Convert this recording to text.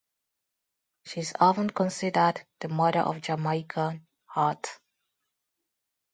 She is often considered the "mother of Jamaican art".